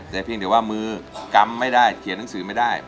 แต่เพียงแต่ว่ามือกำไม่ได้เขียนหนังสือไม่ได้